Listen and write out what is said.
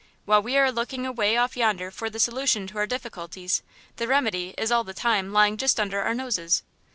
While we are looking away off yonder for the solution to our difficulties, the remedy is all the time lying just under our noses!